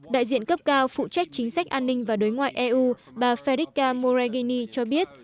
đại diện cấp cao phụ trách chính sách an ninh và đối ngoại eu bà federica moregani cho biết